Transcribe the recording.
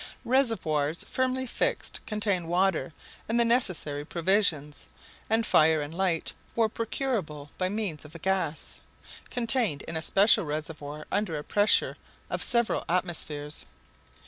Reservoirs firmly fixed contained water and the necessary provisions; and fire and light were procurable by means of gas, contained in a special reservoir under a pressure of several atmospheres.